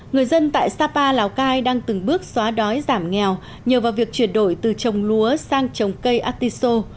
người dân tại sapa lào cai đang từng bước xóa đói giảm nghèo nhờ vào việc chuyển đổi từ trồng lúa sang trồng cây artiso